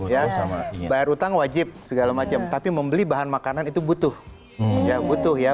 ya sama bayar utang wajib segala macam tapi membeli bahan makanan itu butuh ya butuh ya